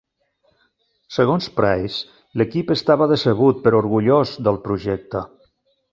Segons Price, l'equip estava decebut però orgullós del projecte.